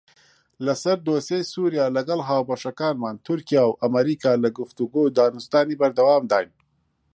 لەسەر دۆسیەی سووریا لەگەڵ هاوبەشەکانمان تورکیا و ئەمریکا لە گفتوگۆ و دانوستاندنی بەردەوامداین.